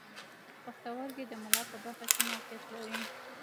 پښتورګي د ملا په برخه کې موقعیت لري.